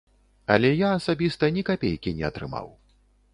Але я асабіста ні капейкі не атрымаў.